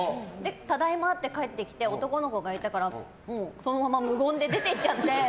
ただいまって帰ってきて男の子がいたからそのまま無言で出て行っちゃって。